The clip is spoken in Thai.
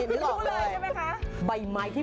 ไม่รู้เลยใช่มั้ยคะ